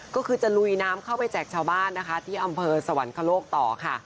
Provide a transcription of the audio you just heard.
ก็คือจะลุยน้ำเข้าไปแจกชาวบ้านนะคะที่อำเภอสวรรคโลกต่อค่ะ